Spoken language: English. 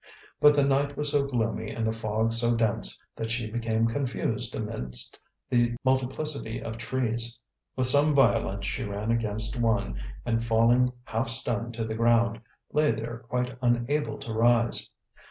But the night was so gloomy and the fog so dense, that she became confused amidst the multiplicity of trees. With some violence she ran against one and falling half stunned to the ground, lay there quite unable to rise.